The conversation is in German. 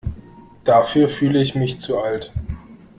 Dafür fühle ich mich zu alt.